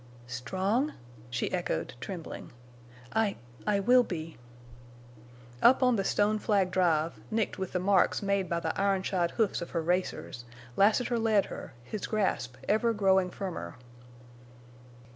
"Strong?" she echoed, trembling. "I—I will be." Up on the stone flag drive, nicked with the marks made by the iron shod hoofs of her racers, Lassiter led her, his grasp ever growing firmer.